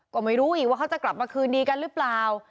ก็ไม่รู้อีกว่าเขาจะกลับมาคืนดีกันหรือเปล่า